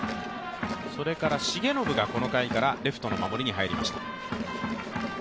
それから重信がこの回からレフトの守りに入りました。